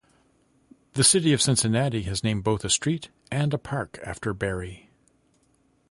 The city of Cincinnati has named both a street and a park after Berry.